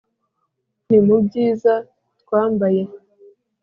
Nti:mu byiza twambaye